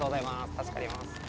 助かります。